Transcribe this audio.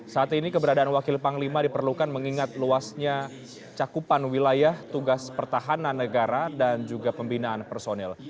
saat ini keberadaan wakil panglima diperlukan mengingat luasnya cakupan wilayah tugas pertahanan negara dan juga pembinaan personil